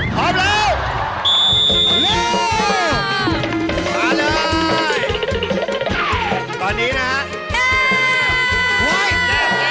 พร้อมแล้ว